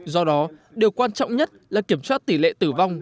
do đó điều quan trọng nhất là kiểm soát tỷ lệ tử vong